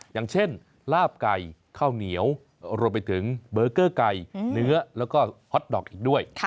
อย่างเช่นลาบไก่ข้าวเหนียวรวมไปถึงเบอร์เกอร์ไก่เนื้อแล้วก็ฮอตดอกอีกด้วย